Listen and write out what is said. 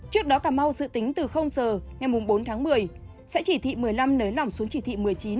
trước đó cà mau dự tính từ giờ ngày bốn tháng một mươi sẽ chỉ thị một mươi năm nới lỏng xuống chỉ thị một mươi chín